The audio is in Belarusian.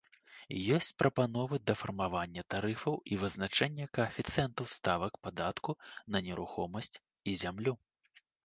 Ёсць прапановы да фармавання тарыфаў і вызначэння каэфіцыентаў ставак падатку на нерухомасць і зямлю.